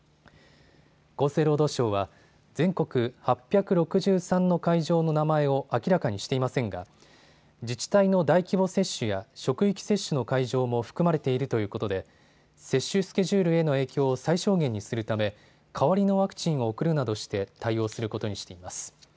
厚生労働省は全国８６３の会場の名前を明らかにしていませんが自治体の大規模接種や職域接種の会場も含まれているということで接種スケジュールへの影響を最小限にするため代わりのワクチンを送るなどして対応することにしています。